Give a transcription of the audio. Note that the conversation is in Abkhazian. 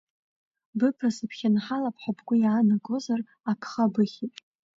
Быԥа, сыбхьынҳалап ҳәа бгәы иаанагозар, агха быхьит.